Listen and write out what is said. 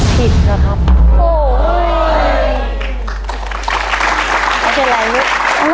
ผิดนะครับ